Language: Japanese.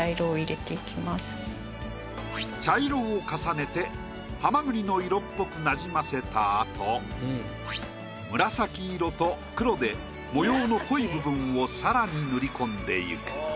茶色を重ねてはまぐりの色っぽく馴染ませたあと紫色と黒で模様の濃い部分を更に塗り込んでいく。